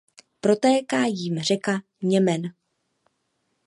Protéká jím řeka Němen.